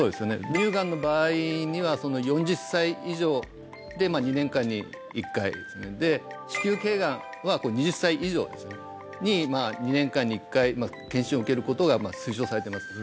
乳がんの場合には４０歳以上で２年間に１回子宮頸がんは２０歳以上に２年間に１回検診を受けることが推奨されてます